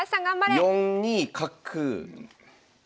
４二角。